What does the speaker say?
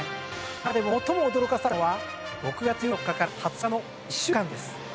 中でも最も驚かされたのは６月１４日から２０日の１週間です。